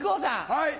はい。